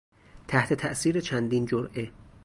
تحت تاثیر چندین جرعه